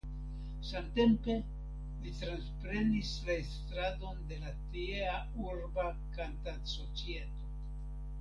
Samtempe li transprenis la estradon de la tiea urba Kantadsocieto.